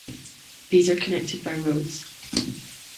These are connected by roads.